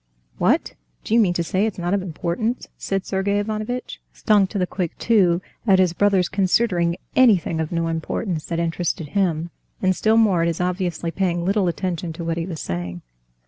"What! do you mean to say it's not of importance?" said Sergey Ivanovitch, stung to the quick too at his brother's considering anything of no importance that interested him, and still more at his obviously paying little attention to what he was saying.